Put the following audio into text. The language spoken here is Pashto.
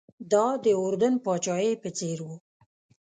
دا د اردن پاچاهۍ په څېر و.